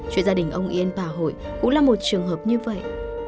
chuyện gia đình ông yên bà hội cũng là một trường hợp như vậy